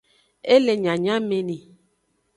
E le nyanyameni.